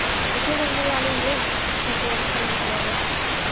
— Уке гын, мый але илем, — шоҥгыеҥ сырен руалеш.